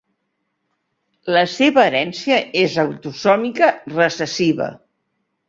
La seva herència és autosòmica recessiva.